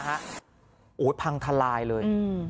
โหพังทลายเลย